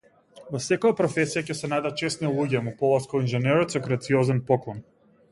Во секоја професија ќе се најдат чесни луѓе му поласкал инженерот со грациозен поклон.